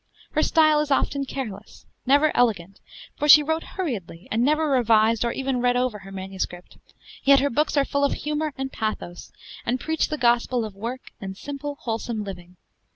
Her style is often careless, never elegant, for she wrote hurriedly, and never revised or even read over her manuscript; yet her books are full of humor and pathos, and preach the gospel of work and simple, wholesome living.